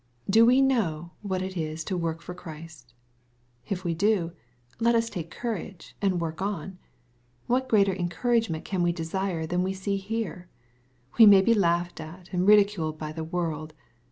Do we know what it is to work for Christ ? If we do, let us take courage, and work on. What greater en couragement can we desire than we see here ? We may be laughed at and ridiculed by the world.